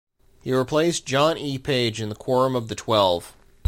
He replaced John E. Page in the Quorum of the Twelve.